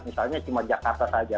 misalnya cuma jakarta saja